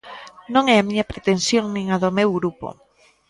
Non é a miña pretensión nin a do meu grupo.